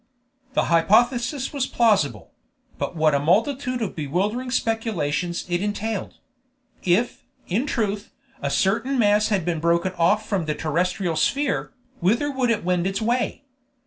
The hypothesis was plausible; but what a multitude of bewildering speculations it entailed! If, in truth, a certain mass had been broken off from the terrestrial sphere, whither would it wend its way?